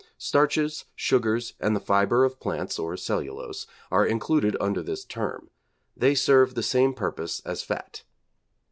Starches, sugars, and the fibre of plants, or cellulose, are included under this term. They serve the same purpose as fat.